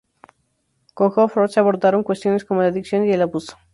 Con Jo Frost se abordaron cuestiones como la adicción y el abuso.